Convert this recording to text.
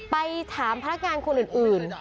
ไปถามพนักงานคนอื่น